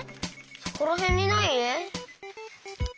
そこらへんにない？